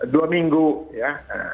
dua minggu ya